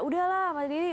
udahlah mas didi